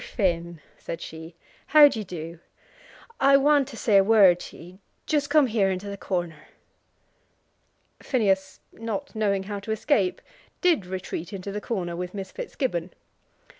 Finn," said she, "how d'ye do? I want to say a word to ye. Just come here into the corner." Phineas, not knowing how to escape, did retreat into the corner with Miss Fitzgibbon.